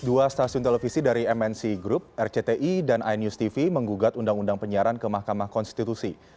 dua stasiun televisi dari mnc group rcti dan inews tv menggugat undang undang penyiaran ke mahkamah konstitusi